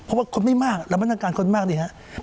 เพราะว่าคนไม่มากระบบกำกันคนมากเลยครับ